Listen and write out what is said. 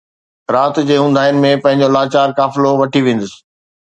رات جي اونداھين ۾ پنھنجو لاچار قافلو وٺي ويندس